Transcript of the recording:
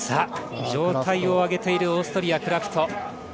状態を上げているオーストリアクラフト。